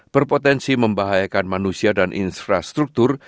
berpotensi membahayakan manusia dan infrastruktur